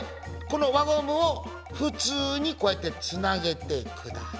この輪ゴムを普通にこうやってつなげてください。